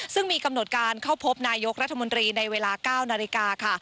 ซึ่งมีกำหนดการเข้าพบนายกรัฐมนตรีในเวลา๙นาฬิกาค่ะ